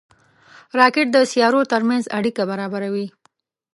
راکټ د سیارو ترمنځ اړیکه برابروي